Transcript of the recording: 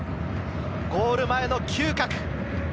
ゴール前の嗅覚。